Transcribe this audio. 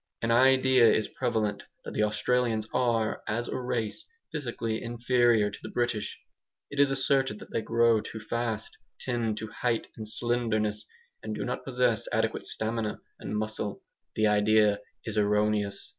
An idea is prevalent that the Australians are, as a race, physically inferior to the British. It is asserted that they grow too fast, tend to height and slenderness, and do not possess adequate stamina and muscle. The idea is erroneous.